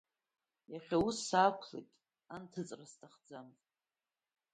Иахьа ус саақәлеит, анҭыҵра сҭахӡам.